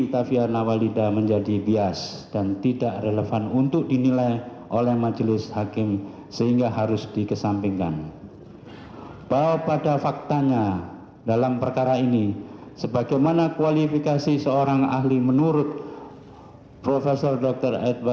di dalam cairan lambung korban yang disebabkan oleh bahan yang korosif